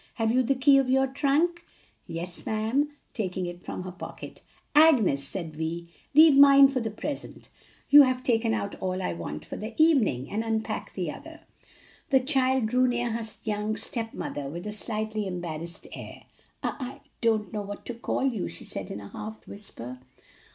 Have you the key of your trunk?" "Yes, ma'am," taking it from her pocket. "Agnes," said Vi, "leave mine for the present (you have taken out all I want for the evening) and unpack that other." The child drew near her young step mother with a slightly embarrassed air. "I I don't know what to call you," she said in a half whisper.